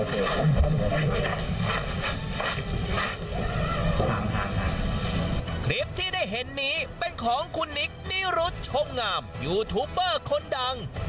คลิปที่ได้เห็นนี้เป็นของคุณนิคนิรุธชมงามยูทูปเบอร์คนดัง